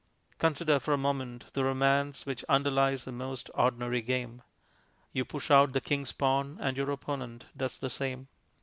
Consider for a moment the romance which underlies the most ordinary game. You push out the king's pawn and your opponent does the same.